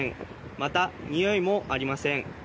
また、においもありません。